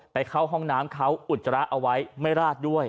ไปเข้าห้องน้ำเขาอุจจาระเอาไว้ไม่ราดด้วย